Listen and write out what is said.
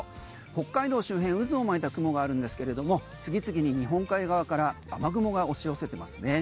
北海道周辺、渦を巻いた雲があるんですけれども次々に日本海側から雨雲が押し寄せてますね。